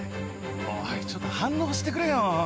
おいちょっと反応してくれよ。